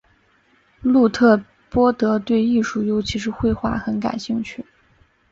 路特波德对艺术尤其是绘画很感兴趣。